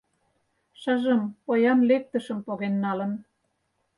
Шыжым поян лектышым поген налын.